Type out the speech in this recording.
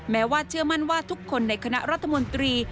แม้ว่าเชื่อมั่นว่าทุกคนในคณะรัฐมนตรี